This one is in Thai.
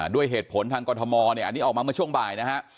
ด้วยเหตุผลทางกรทมเนี่ยอันนี้ออกมาเมื่อช่วงบ่ายนะฮะ